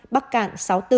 bắc cạn sáu mươi bốn